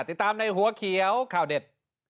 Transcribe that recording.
ติดตามในหัวเขียวข่าวเด็ด